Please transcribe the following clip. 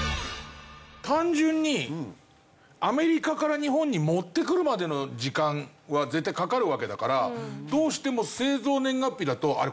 単純にアメリカから日本に持ってくるまでの時間は絶対かかるわけだからどうしても製造年月日だとあれ？